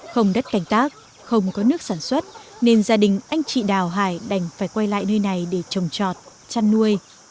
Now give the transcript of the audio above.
không đất canh tác không có nước sản xuất nên gia đình anh chị đào hải đành phải quay lại nơi này để trồng trọt chăn nuôi